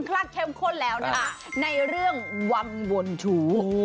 ตั้งคลั่นแล้วนะในเรื่องวังวนทู